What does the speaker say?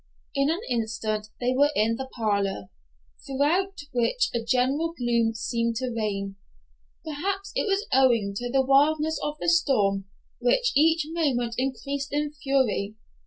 In an instant they were in the parlor, throughout which a general gloom seemed to reign. Perhaps it was owing to the wildness of the storm, which each moment increased in fury.